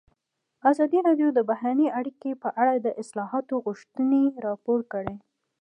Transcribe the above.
ازادي راډیو د بهرنۍ اړیکې په اړه د اصلاحاتو غوښتنې راپور کړې.